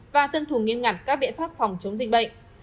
và tuân thủ nghiêm ngặt các biện pháp phòng chống dịch bệnh